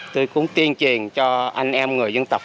tôi cũng tuyên truyền cho anh em người dân tộc